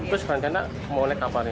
terus rencana mau naik kapal ini